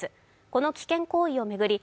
この危険行為を巡り